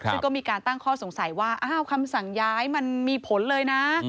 ซึ่งก็มีการตั้งข้อสงสัยว่าอ้าวคำสั่งย้ายมันมีผลเลยนะ